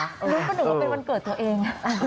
รู้ปะหนูเป็นวันเกิดตัวเอง